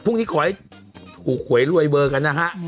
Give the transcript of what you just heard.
พรุ่งนี้ขอให้ถูกหวยรวยเบอร์กันนะฮะ